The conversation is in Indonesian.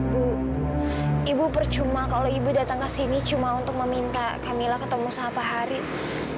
bu ibu percuma kalau ibu datang ke sini cuma untuk meminta camilla ketemu sama pak haris